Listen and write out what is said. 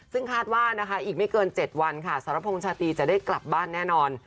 ซึ่งคาดว่านะคะอีกไม่เกิน๗วันค่ะสารพงษ์ชาตรีจะได้กลับบ้านแน่นอน